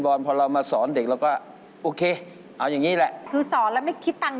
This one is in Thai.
ส่วนถูกล่าคือสอนไม่คิดตังเด็ก